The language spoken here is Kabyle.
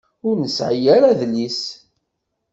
Ur nesɛi ara adlis.